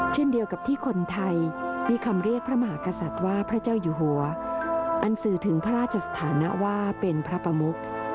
เช่นเดียวกับที่คนไทยมีคำเรียกพระมหากษัตริย์ว่าพระเจ้าอยู่หัวอันสื่อถึงพระราชสถานะว่าเป็นพระประมุก